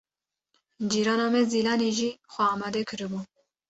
Cîrana me Zîlanê jî xwe amade kiribû.